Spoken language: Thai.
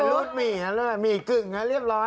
รูดหมี่มาเรื่อยหมีกึ่งนะเรียบร้อยเลยทอดมี